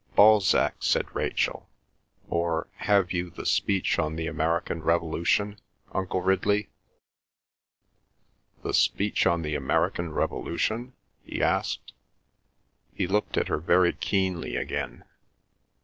"Balzac," said Rachel, "or have you the Speech on the American Revolution, Uncle Ridley?" "The Speech on the American Revolution?" he asked. He looked at her very keenly again.